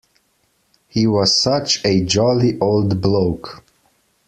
He was such a jolly old bloke.